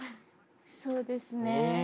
そうですね。